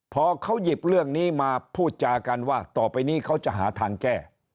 พอเขาหยิบเรื่องนี้มาพูดจากันว่าต่อไปนี้เขาจะหาทางแก้